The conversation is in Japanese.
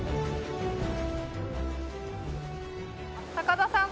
高田さん